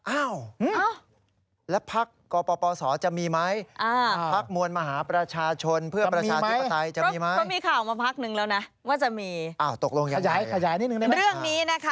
อ้าวแล้วปั๊กกปสจะมีไหมปั๊กมวลม